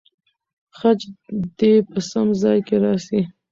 خج دې په سم ځای کې راسي.